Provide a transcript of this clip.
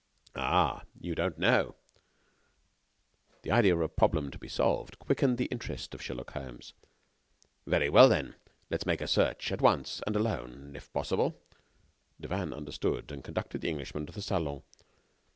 "Ah! you don't know " The idea of a problem to be solved quickened the interest of Sherlock Holmes. "Very well, let us make a search at once and alone, if possible." Devanne understood, and conducted the Englishman to the salon.